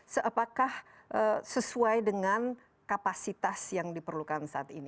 seapaka sesuai dengan kapasitas yang diperlukan saat ini